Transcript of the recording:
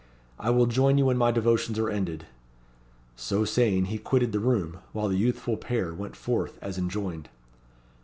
I will join you when my devotions are ended." So saying he quitted the room, while the youthful pair went forth as enjoined.